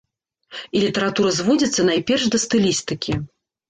І літаратура зводзіцца найперш да стылістыкі.